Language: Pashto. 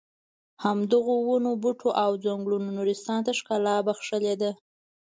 همدغو ونو بوټو او ځنګلونو نورستان ته ښکلا بښلې ده.